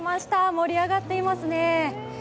盛り上がっていますね。